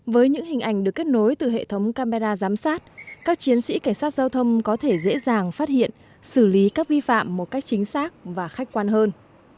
với những hình ảnh được kết nối từ hệ thống camera giám sát các chiến sĩ cảnh sát giao thông có thể dễ dàng phát hiện xử lý các vi phạm một cách chính xác và khách quan hơn